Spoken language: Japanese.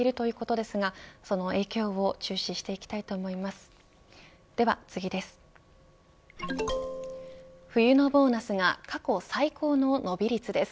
では次です。